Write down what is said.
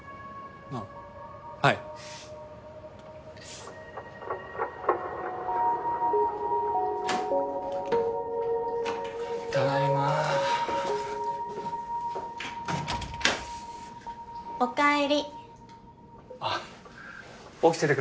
あっはいただいまおかえりあっ起きててくれたんだ